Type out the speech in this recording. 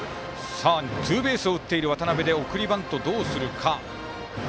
ツーベースを打っている渡邊で送りバントどうするか。